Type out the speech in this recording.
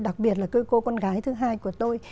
đặc biệt là cô con gái thứ hai của tôi